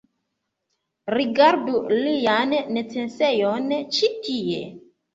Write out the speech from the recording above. Rigardu lian necesejon ĉi tie